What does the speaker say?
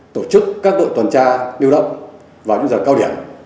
tổ chức các đội toàn tra điêu động vào những giờ cao điểm